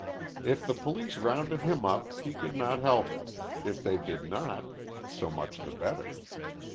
If the police rounded him up, he could not help it; if they did not, so much the better.